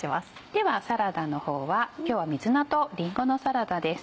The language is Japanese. ではサラダの方は今日は水菜とりんごのサラダです。